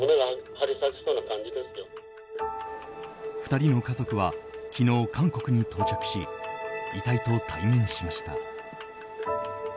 ２人の家族は昨日韓国に到着し遺体と対面しました。